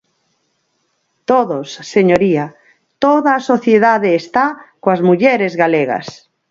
Todos, señoría, toda a sociedade está coas mulleres galegas.